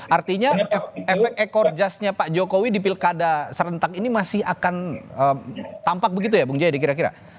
artinya efek ekor jasnya pak jokowi di pilkada serentak ini masih akan tampak begitu ya bung jayadi kira kira